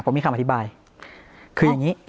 ผมมีคำอธิบายคืออย่างนี้